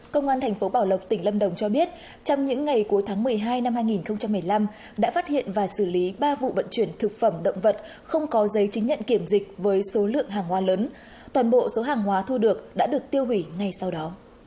công an thành phố bảo lộc tỉnh lâm đồng cho biết trong những ngày cuối tháng một mươi hai năm hai nghìn một mươi năm đã phát hiện và xử lý ba vụ vận chuyển thực phẩm động vật không có giấy chứng nhận kiểm dịch với số lượng hàng hoa lớn toàn bộ số hàng hóa thu được đã được tiêu hủy ngay sau đó